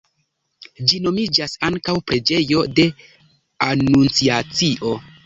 Ĝi nomiĝas ankaŭ "preĝejo de Anunciacio".